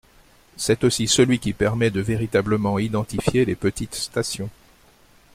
C’est aussi celui qui permet de véritablement identifier les petites stations.